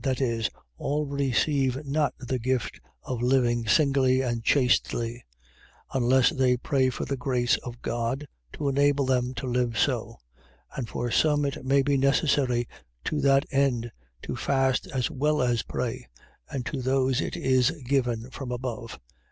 . .That is, all receive not the gift of living singly and chastely, unless they pray for the grace of God to enable them to live so, and for some it may be necessary to that end to fast as well as pray: and to those it is given from above.